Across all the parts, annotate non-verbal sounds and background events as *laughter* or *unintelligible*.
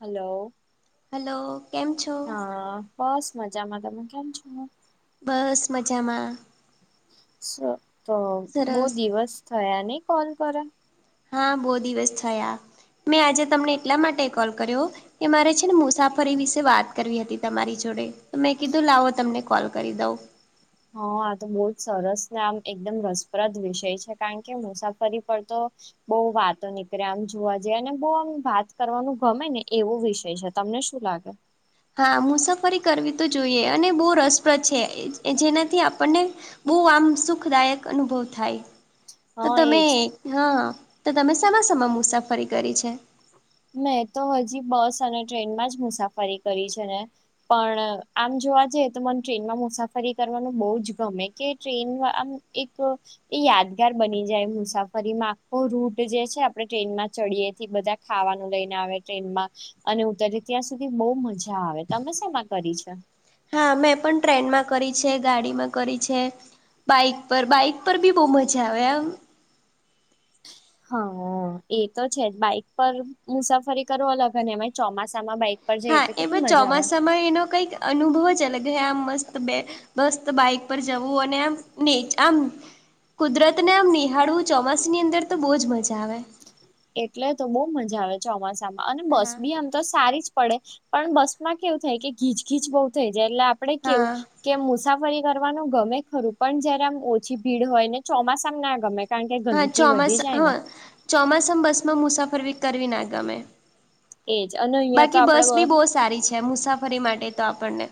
Hello hello કેમ છો હા બસ મજામાં તમે કેમ છો? બસ મજામાં તો બહ સરસ દિવસ થયા નહ કોલ કર્- હા બહુ દિવસ થયા મેં આજે તમને એટલા માટે કોલ કર્યો કે મારે છે ને મુસાફરી વિશે વાત કરવી હતી તમારી જોડે તો મેં કીધું લાવો તમને કોલ કરી દઉં હા આ તો બહુ જ સરસ ને આમ એકદમ રસપ્રદ વિષય છે કારણ કે મુસાફરી પર તો બહુ વાતો નીકળે આમ જોવા જઈએ અને બહ આમ વાત કરવાનું ગમે ને એવો વિષય તમને શું લાગે હા મુસાફરી કરવી તો જોઈએ અને બહુ રસપ્રદ છે જેનાથી આપણને બો આમ સુખદાયક અનુભવ થાય તો હા તમે એજ હા તો તમે સમાસામા મુસાફરી કરી છે. મેં તો હજી બસ અને ટ્રેનમાં જ મુસાફરી કરી છે ને પણ આમ જોવા જઈએ તો મને ટ્રેનમાં મુસાફરી કરવાનું બઉુ જ ગમે કે ટ્રેન આમ- એક એ યાદગાર બની જાય મુસાફરીમાં આખો રૂટ જે છે આપણે ટ્રેનમાં ચડીએથી બધા ખાવાનું લઈને આવે ટ્રેનમાં અને ઉતરી ત્યાં સુધી બહુ મજા આવે તમે શમાં કરી છે. હા મેં પણ ટ્રેનમાં કરી છે ગાડીમાં કરી છે. બાઈક પર બાઈક પર બી બહુ મજા આવે આમ હા એ તો છે જ બાઈક પર મુસાફરી કરો અલગ હ ને એમાં ચોમાસામાં બાઈક પર જઈએ હા તો એ બ કેટલી મજા આવે ચોમાસામાં એનો કંઈક અનુભવ જ અલગ હ આ મસ્ત બે બસ બાઈક પર જવું અને આમ નેચ આમ કુદરતને આમ નિહાળવું ચોમાસની અંદર તો બહુ જ મજા આવે એટલે તો બહુ મજા આવે ચોમાસામાં અને બસ હા બી આમ તો સારી જ પડે પણ બસ માં કેવું થાય કે ઘીચ ઘીચ બહુ થઈ જાય એટલે આપડે કેવું હા કે મુસાફરી કરવાનું ગમે ખરું પણ જયારે આમ ઓછી ભીડ હોય ને ચોમાસામ ના ગમે કારણ કે ગંદકી વધી જાય ને ચોમાસ બસમાં મુસાફરી કરવી ના ગમે એજ અને અહિયાં બાકી તો બસ આપડે બી બો સારી છે મુસાફરી માટે તો આપણને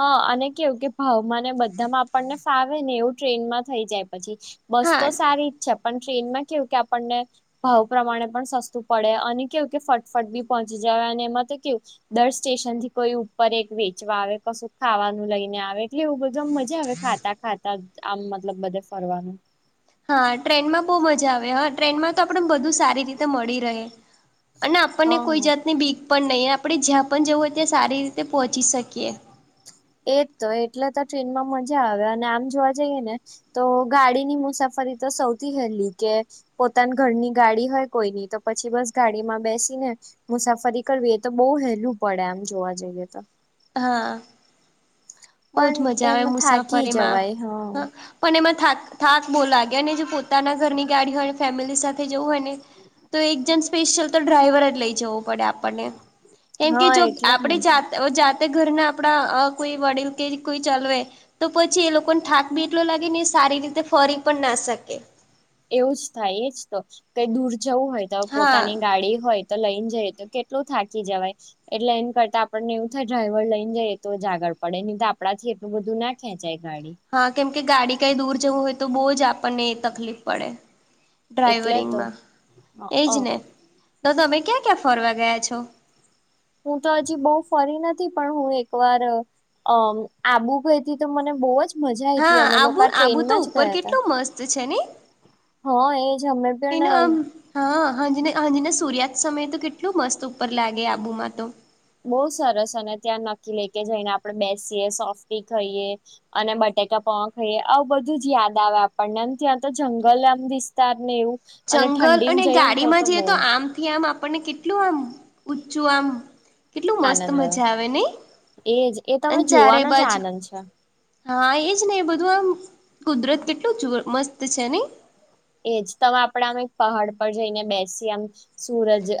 હા અને કેવું કે ભાવમાંને બધા માં આપણને ફાવે ને એવું ટ્રેનમાં થઈ જાય પછી બસ તો હા સારી જ છે પણ ટ્રેનમાં કેવું કે આપણને ભાવ પ્રમાણે પણ સસ્તું પડે અને કેવું કે ફટફટ બી પહોંચી જાય અને એમાં તો કેવું દર સ્ટેશન થી કોઈ ઉપર એક વેચવા આવે કશું ખાવાનું લઈને આવે એટલે એવું બધા મજા આવે ખાતા ખાતા આમ મતલબ બધે ફરવાનું હા ટ્રેનમાં બહુ મજા આવે હા ટ્રેનમાં તો આપણે બધું સારી રીતે મળી રહે અને આપણને કોઈ હા જાતની બીક પણ નહી આપણે જ્યાં પણ જવું હોય ત્યાં સારી રીતે પોહોંચી શકીયએ એજ તો એટલે તો ટ્રેનમાં મજા આવે અને આમ જોવા જઈએ ને તો ગાડીની મુસાફરી તો સૌથી હેલી કે પોતાના ઘરની ગાડી હોય કોઈની તો પછી બસ ગાડીમાં બેસી ને મુસાફરી કરવી એ તો બહુ હેલું પડે આમ જોવા જઈએ તો હા બહુજ પણ મજા આવે એમાં થાકી મુસાફરીમાં જવાય હા હ પણ એમાં થા થાક બહુ લાગે અને જો પોતાના ઘરની ગાડી હોય ફેમિલી સાથે જવું હોય ને તો એક જણ સ્પેશિયલ તો ડ્રાઈવર જ લઈ જવું પડે આપણને કેમ કે હા જો એટલે જ આપણે ને જાત જાતે ઘરના આપડા કોઈ વડીલ કે કોઈ ચાલવેય તો પછી એ લોકોને થાક બી એટલો લાગે ને સારી રીતે ફરી પણ ના શકે એવું જ થાય એજ તો કઈ દૂર જવું હોય તો હા પોતાની ગાડી હોય તો લઈને જઈ તો કેટલું થાકી જવાય એટલે એમ કરતાડણને એવું થાય ડ્રાઈવર લઈને જઈએ તો જાગળ પડે નહી તો આપડા થી એટલું બધું ના ખેંચાય ગાડી હા કેમ કે ગાડી કઈ દૂર જવું હોય તો બહુ જ આપણને તકલીફ પડે એટલે તો ડ્રાઈવરિંગમાં એ જ અ ને દા ત તમે ક્યાં ક્યાં ફરવા ગયા છો હું તો હજી બહ ફરી નથી પણ હું એક વાર અમ આબુ ભાઈથી તો મને બહ જ મજા આઈ હતી હા અમે લોકો આબુ આ આબુ તો ટ્રેનમાં જ ઉપર ગયા ત કેટલું મસ્ત છે ને હા એજ અમે પણ એનો આમ હા હા હાજીને સૂર્યાત સમયે તો કેટલોું મસ્ત ઉપર લાગે આબુમાં તો બહ સરસ અને ત્યાં નક્કી લે કે જઈને આપડણે બેસીએ સોફ્ટી ખાઈએ અને બટેકા પોવા ખાઈએ આ બધું જ યાદ આવે આપણનેમ ત્યાં તો જંગલ આમ વિસ્તાર ને એવું અને જંગલ ઠંડીમાં અને જઈએ ને ગાડીમાં જઈએ બહુ તો આમથી આમ આપણને કેટલું આમ ઊંચું આમ કેટલું મસ્ત મજા આવે નહ એજ એ તમે અને ચારે જોવાનો જ બાજ આનંદ છે. હા એજ ને એ બધું આમ કુદરત કેટલું જ મસ્ત છે ને એજ તમે આપડે અમે પહાડ પર જઈને બેસી આમ સૂરજ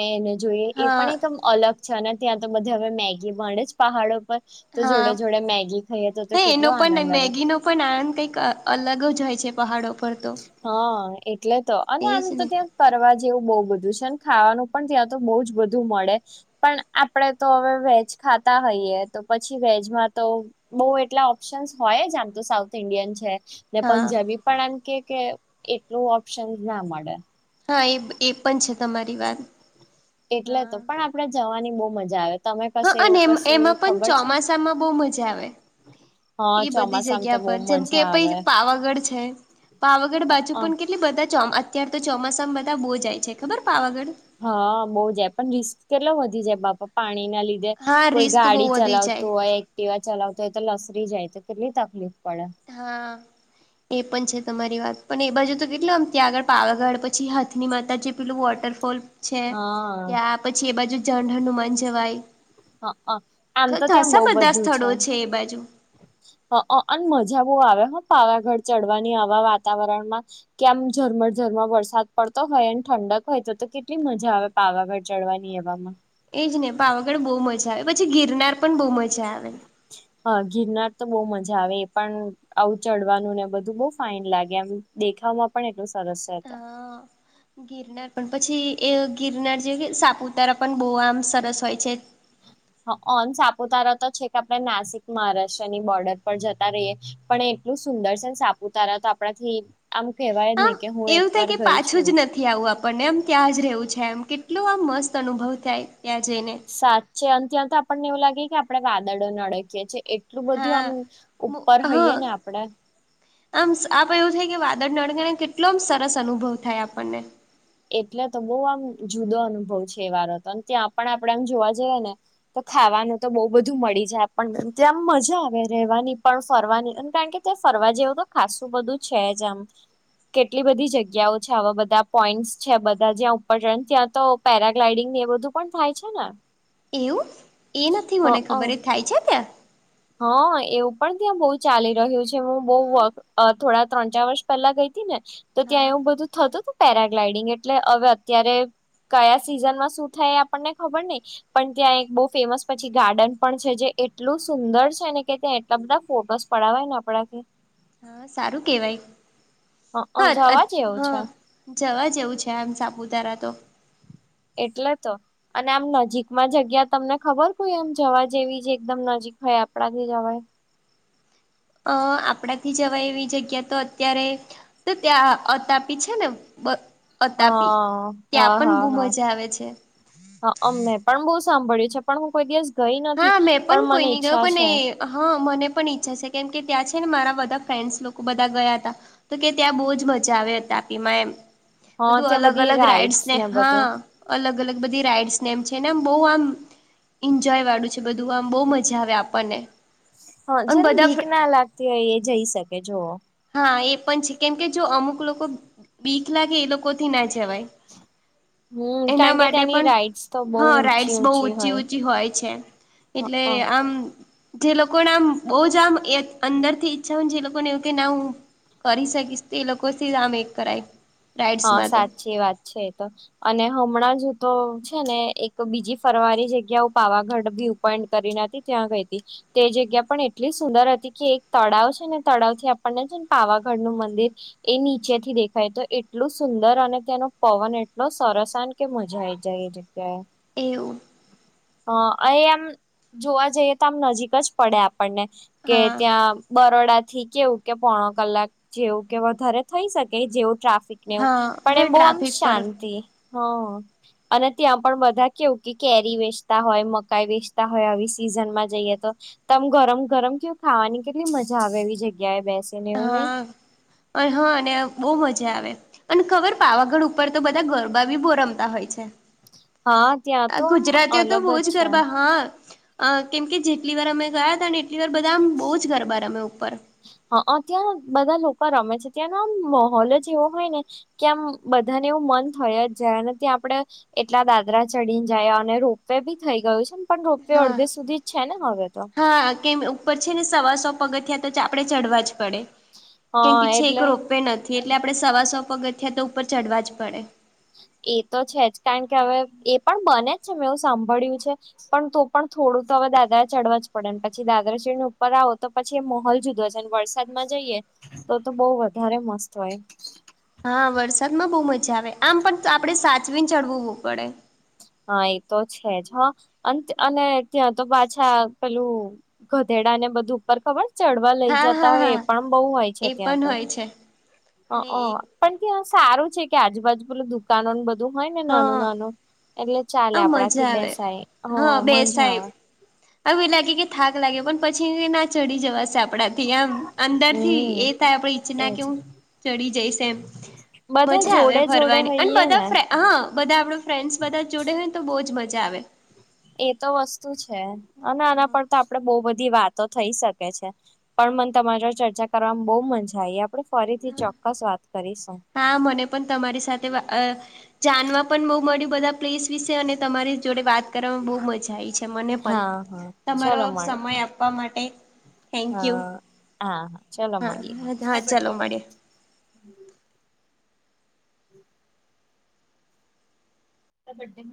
મેં એને જોઈએ એ પણ હા એકમ અલગ છે અને ત્યાં તો બધે હવે મેગી વે જ પહાડો પર તો જોડે હા જોડે મેગી ખાઈએ તો હે એનો કેટલો પણ આનંદ આવે મેગીનો પણ આનંદ કંઈક અલગ જ હોય છે પહાડો પર તો હા એટલે તો અને આમ એજ તો ને ત્યાં ફરવા જેવું બહુ બધું છે ખાવાનું પણ ત્યાં તો બહુ જ બધું મળે પણ આપડે તો હવે વેજ ખાતા હોઈયએ તો પછી વેજમાં તો બઉુ એટલા ઓપ્શન્સ હોય જ આમ તો સાઉથ ઇન્ડિયન છે ને હા પંજાબી પણ આમ કે કે એટલું ઓપ્શન ના મળે. હા એ એ પણ છે તમારી વાત એટલે તો હા પણ આપડે જવાની બહુ મજા આવે તમે હા કશું એવું અને કશું એમાં પણ ખબર છે ચોમાસામાં બહું મજા આવે હા એ બધી ચોમાસામાં તો જગ્યા બહુ પર જેમ મજા કે પહિ આવે પાવાગઢ છે પાવાગઢ બાજુ હઅ પણ કે એટલે બધા અત્યાર તો ચોમાસામાં બધા બહુ જાય છે ખબર પાવાગઢ હા બહુ જાય પણ રિસ્ક કેટલા વધી જાય બાપા પાણી ના લી રે હા કોઈ રિસ્ક બહુ ગાડી વધી જાય ચલાવતું હોય દીવા ચલાવતો હોય તો લસરી જાય તો કેટલી તકલીફ પડે હા. એ પણ છે તમારી વાત પણ એ બાજુ તો કેટલા આમ ત્યાં આગળ પાવાગઢ પછી હાથની માતા જે પેલું વોટરફોલ છે હા ત્યાં પછી એ બાજુ ઝઢણ નનું માં જવાય હઅ આમ તો ત્યાં ઘશ બહુ બધા બધું સ્થળો છે એ બાજુ હઅ અને મજા બહુ આવે હો પાવાગઢ ચડવાની આવા વાતાવરણમાં કે આમ ઝરમર ઝરમર વરસાદ પડતો હોય ઠંડક હોય તો તો કેટલી મજા આવે. પાવાગઢ ચડવાની એવામાં એજ ને પાવાગઢ બહુ મજા આવે પછી ગિરનાર પણ બહુ મજા આવે હા ગિરનાર તો બહુ મજા આવે એ પણ આવું ચડવાનું ને બધું બહું ફાઈન લાગે એમ દેખામાં પણ એટલું સરસ છે તો હા ગિરનાર પણ પછી એ ગિરનાર જે કે સાપુતારા પણ બહુ આમ સરસ હોય છે. હ અ અન સાપુતારા તો છેક આપણે નાસિક મહારાષ્ટ્રની બોર્ડર પર જતા રહીએ. પણ એટલું સુંદર છેને સાપુતારા તો આપણાથી આમ કહેવાય નહી કે હું એક વાર ગઈ છું થી આવું આપણને એમ ત્યાં જ રહેવું છે એમ કેટલો આમ મસ્ત અનુભવ થાય ત્યાં જઈને છે આમ ત્યાતો આપણને એવું લાગે કે આપણે વાદળો અડકીએ છીએ એટલું બધું હા આમ ઉપર હા હઈએે ને આપડે આમ આપ એવું થાય કે વાદળ અળગને કેટલો સરસ અનુભવ થાય આપણને એટલે તો બહું આમ જુદો અનુભવ છે એ વારો તો ત્યાં પણ આપણે આમ જોવા જઈએ ને તો ખાવાનું તો બહુ બધું મળી જાય પણ ત્યાં આમ મજા આવે રહેવાની પણ ફરવાની કારણ કે તે ફરવા જેવું તો ખાસું બધું છે જ આમ કેટલી બધી જગ્યાઓ છે આવા બધા પોઈન્ટ છે બધા જ્યાં ઉપર રન ત્યાં તો પેરાગ્લાઇડિંગ ને એ બધું પણ થાય છે ને એવું એ નથી હ મને અ ખબર એ થાય છે ત્યા હા એવું પણ ત્યાં બહુ ચાલી રહ્યું છે હું બઉ હા થોડા ત્રણ ચાર વર્ષ પેલા ગઈ હતી ને તો ત્યાં હા એવું બધું થતું હતું પેરાગ્લાઈડિંગ એટલે હવે અત્યારે કયા સિઝન માં શું થાય એ આપણને ખબર નહિ પણ ત્યાં એક બહુ ફેમસ પછી ગાર્ડન પણ છે જે એટલું જ સુંદર છે ને કે ત્યાં એટલા બધા ફોટોસ પડાવવાય ને આપડા કે હા સારું કેહેવાય હ હઅ અ જવા હ જેવું છે જવા જેવું છે આમ સાપુતારા તો એટલે તો અને આમ નજીકમાં જગ્યા તમને ખબર કોઈ આમ જવા જેવી જે એકદમ નજીક હોય આપણાથી જવાય અ આપણાથી જવા એવી જગ્યા તો અત્યારે તો ત્યાં અતાપી છે ને બ અ તાપી હા ત્યાં પણ બહુ મજા આવે છે. હ અ અમે પણ બહુ સાંભળ્યું છે પણ હું કોઈ દિવસ ગઈ નથી હા મેં પણ કોઈ મને નહી ગયો ઈચ્છા પણ છે. એ હા મને પણ ઈચ્છા છે કેમ કે ત્યાં છે ને મારા બધા ફ્રેન્ડસ લોકો બધા ગયા હતા. તો કે ત્યાં બહુ જ મજા આવે અ તાપીમાં એમ. હા બધું ત્યાં અલગ બધી અલગ રાઈડસ રાઈડ્સ ને બધું હા. અલગ અલગ બધી રાઈડસ ને એમ છે ને આમ બહુ આમ જય વાળું છે બધું આમ બહુ મજા આવે આપણને હા અને જેને બધા બીક ના લાગતી હોય એ જઈ શકે જોવો હા એ પણ છે કેમ કે જો અમુક લોકો બીક લાગે એ લોકોથી ના જવાય હમ હ એના કારણ કે માટે ત્યાંની પણ રાઈડ્સ તો બહુ હા ઊંચી રાઈડસ બહુ ઊંચી ઊંચી હોય છે. એટલે હ આમ જે લોકોને આમ બહુ જ આમ અંદર થી ઈચ્છા હોય જે લોકોને કે ના હું કરી શકીશ તે એ લોકો આમ એક કરાય હા રાઈડ્સમાં તો સાચી વાત છે એ તો અને હમણાં જૂતો છે ને એક બીજી ફરવાની જગ્યાઓ પાવાગઢ બી અપોઈન્ટ કરી ના ત્યાં ગઈ હતી. તે જગ્યા પણ એટલી સુંદર હતી કે એક તળાવ છે ને તળાવ થી આપણને છે ને પાવાગઢ નું મંદિર એ નીચે થી દેખાય તો એ એટલું સુંદર અને તેનો પવન એટલો સરસ ને કે મજા આઈ જાય એ જગ્યા એ એવું. અ આ આમ જોવા જઈએ તો આમ નજીક જ પડે આપણને કે હા ત્યાં બરોડા થી કેવું કે પોણો કલાક જેવું કે વધારે થઈ શકે જેવું ટ્રાફિક. ને એવું હા પણ હવે એ બહું આમ ટ્રાફિક પર શાંતિ હમ્મ. અને ત્યાં પણ બધા કેવું કે કેરી વેચતા હોય મકાઈ વેચતા હોય આવી સિઝનમાં જઈએ તો તમ ગરમ ગરમ કેવુ ખાવાની કેટલી મજા આવે એવી જગ્યાએ બેસી હા હા અને બહુ મજા આવે. અને ખબર પાવાગઢ ઉપર તો બધા ગરબા બી બઓ રમતા હોય છે. હા ત્યાં આ તો આમ ગુજરાતીઓ તો અલગ બહું જ છે ગરબા હા. અ કેમ કે જેટલી વાર અમે ગયા હતા ને એટલી વાર બધા આમ બહુ જ ગરબા રમે એમ ઉપર. હ અ ત્યાં બધા લોકો રમે છે ત્યાંનો આમ માહોલ જ એવો હોય ને કે આમ બધાને એવું મન થય જાય ને ત્યા આપણે. એટલા દાદરા ચડીને જયા અને રોપવેે બી થઈ ગયું છે. પણ રોપ વે હા અડધી સુધી જ છે ને હવે તો. હા કે ઉપર છે ને સવા સો પગથીયાં તો આપડે ચઢવા જ પડે. કેમ હા કે છેક એટલે રોપ વે નથી એટલે આપડણે સવા સો પગથીયાં તો ઉપર ચડવા જ પડે. એ તો છે જ કારણ કે હવે એ પણ બને જ છે મેં એવુ સાંભળ્યું છે. પણ તો પણ થોડું તો હવે દાદરા ચડવા જ પડે ને પછી દાદરા ને ઉપર આવો તો પછી એ માહોલ જુદો હોય છે વરસાદમાં જઈએ તો તો બઉ વધારે મસ્ત હોય. હા વરસાદમાં બહુ મજા આવે આમ પણ આપડણે સાચવીને ચડવું પડે. હા એ તો છે જ હા અને ત્યાં તો પાછા પેલું ગધેડા ને બધું ઉપર ખબર ચડવા લઈ હા જતા હા હોય હા એ પણ બહુ હોય છે એ ત્યાં પણ તો. હોય છે. હ અ પણ કે સારું છે કે આજુબાજુ પેલું દુકાનો બધું હોય ને નાનું હા નાનું એટલે ચાલે આ મજા આપડાથી આવે બેસાય હો હા મજા બેસાય આવે. હવે એ લાગે કે થાક લાગે પણ પછી ના ચડી જવા સાપ આપડાથી આમ અંદર થી હમ એ થાય આપણે ઈચના એજ કે હું ચડી જઈશ એમ. બધા મજા આવે જોડે જોડે ફરવાની અને હોઈએ બધા ને ફ્રેન હા બધા આપણો ફ્રેન્ડ્સ બધા જ જોડે હોય તો બહુ જ મજા આવે. એ તો વસ્તુ છે અને આના પર તો આપડે બહુ બધી વાત તો થઈ શકે છે પણ મને તમારે ચર્ચા કરવાવામાં બહુ મજા આવી આપડે ફરીથી ચોક્કસ વાત કરીશું. હા મને પણ તમારી સાથે અ જાણવા પણ બહુ મળ્યું બધા પ્લીસ વિશે અને તમારી જોડે વાત કરવામાં બહુ મજા આવી છે. મને પણ હા હા તમારો ચલો મળ સમય આપવા માટે થેન્ક યુ હા હા હા ચલો હા મળીએ હા ચાલો મળીએ. હમ. *unintelligible*